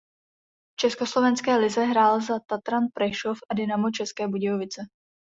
V československé lize hrál za Tatran Prešov a Dynamo České Budějovice.